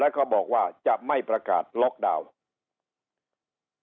แล้วก็บอกว่าจะไม่ประกาศล็อกดาวน์